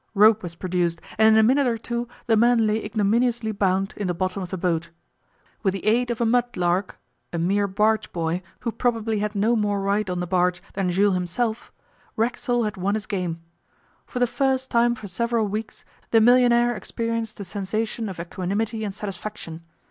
Rope was produced, and in a minute or two the man lay ignominiously bound in the bottom of the boat. With the aid of a mudlark a mere barge boy, who probably had no more right on the barge than Jules himself Racksole had won his game. For the first time for several weeks the millionaire experienced a sensation of equanimity and satisfaction.